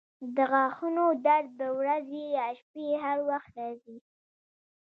د غاښونو درد د ورځې یا شپې هر وخت راځي.